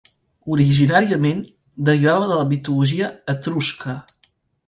Originàriament derivava de la mitologia etrusca.